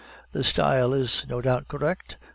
"The style is no doubt correct?"